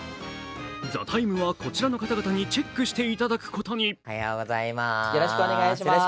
「ＴＨＥＴＩＭＥ，」はこちらの方々にチェックしていただくことに。